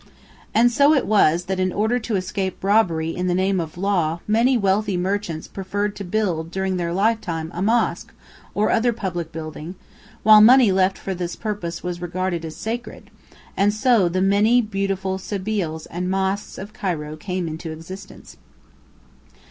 ] And so it was that in order to escape robbery in the name of law many wealthy merchants preferred to build during their lifetime a mosque or other public building, while money left for this purpose was regarded as sacred, and so the many beautiful sebīls and mosques of Cairo came into existence.